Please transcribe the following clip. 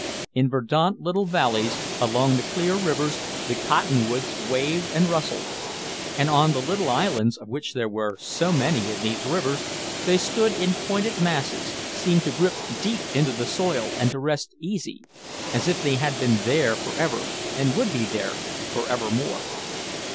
In verdant little valleys, along the clear rivers, the cottonwoods waved and rustled; and on the little islands, of which there were so many in these rivers, they stood in pointed masses, seemed to grip deep into the soil and to rest easy, as if they had been there for ever and would be there for ever more.